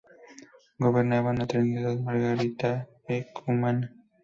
Gobernaban a Trinidad, Margarita y Cumaná.